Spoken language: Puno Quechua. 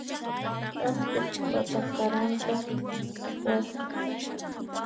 K'aspiq pata qaranta t'iqwasqa.